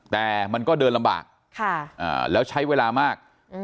แต่มันก็เดินลำบากค่ะอ่าแล้วใช้เวลามากอืม